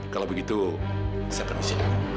kalau begitu saya permisi